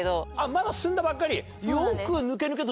まだ住んだばっかり？